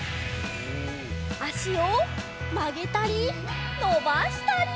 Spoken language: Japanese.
あしをまげたりのばしたり！